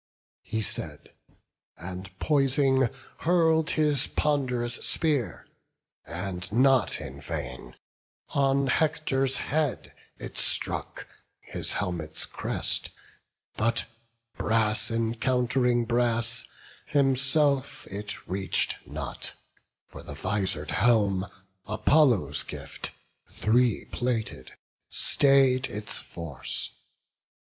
He said, and, poising, hurl'd his pond'rous spear, And not in vain; on Hector's head it struck His helmet's crest, but, brass encount'ring brass, Himself it reach'd not; for the visor'd helm, Apollo's gift, three plated, stay'd its force.